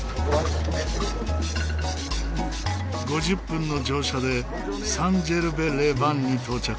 ５０分の乗車でサン・ジェルヴェ・レ・バンに到着。